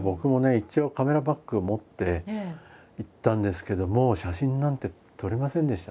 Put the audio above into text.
一応カメラバッグを持って行ったんですけどもう写真なんて撮れませんでしたね。